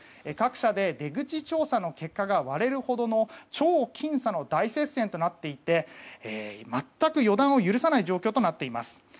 各社で出口調査の結果が割れるほどの超僅差の大接戦になっていて全く予断を許さない状況となっています。